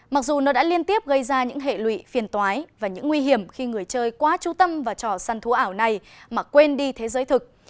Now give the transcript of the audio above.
mặc dù nó đã liên tiếp gây ra những hệ lụy phiền tói và những nguy hiểm khi người chơi quá trú tâm vào trò săn thú ảo này mà quên đi thế giới thực